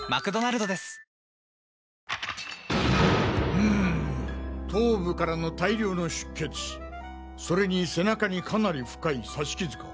うむ頭部からの大量の出血それに背中にかなり深い刺し傷か。